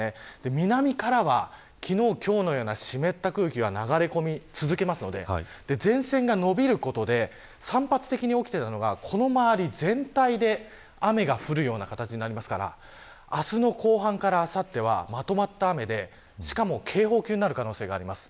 南からは、昨日、今日のような湿った空気が流れ込み続けますので前線がのびることで散発的に起きていたのがこの周り全体で雨が降るような形になりますから明日の後半からあさってはまとまった雨で、しかも警報級になる可能性があります。